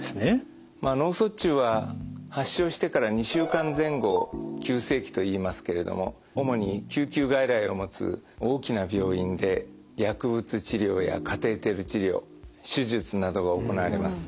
脳卒中は発症してから２週間前後を急性期といいますけれども主に救急外来を持つ大きな病院で薬物治療やカテーテル治療手術などが行われます。